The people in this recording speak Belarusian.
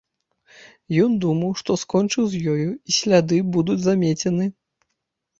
Ён думаў, што скончыў з ёю і сляды будуць замецены.